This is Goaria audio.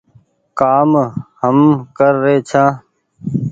ڪآم هم ڪر رهي ڇآن